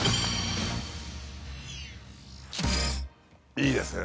いいですね。